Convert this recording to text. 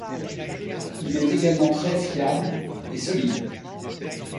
Il est également très fiable et solide.